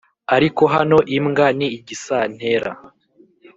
ariko hano imbwa ni igisantera